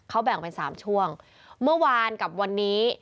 เขาแบ่งเป็น๓ช่วงเมื่อวานกับวันนี้